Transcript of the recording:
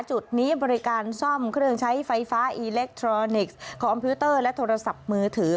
จุดนี้บริการซ่อมเครื่องใช้ไฟฟ้าอิเล็กทรอนิกส์คอมพิวเตอร์และโทรศัพท์มือถือ